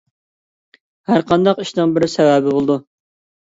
ھەر قانداق ئىشنىڭ بىر سەۋەبى بولىدۇ.